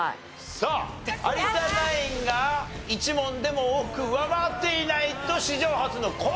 さあ有田ナインが１問でも多く上回っていないと史上初のコールドになります。